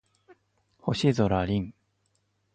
星空凛